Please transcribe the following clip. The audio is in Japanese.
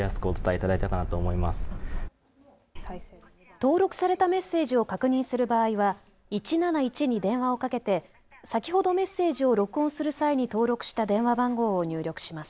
登録されたメッセージを確認する場合は１７１に電話をかけて先ほど、メッセージを録音する際に登録した電話番号を入力します。